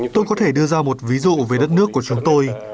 tôi có thể đưa ra một ví dụ về đất nước của chúng tôi